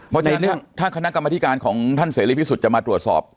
เพราะฉะนั้นถ้าคณะกรรมธิการของท่านเสรีพิสุทธิ์จะมาตรวจสอบ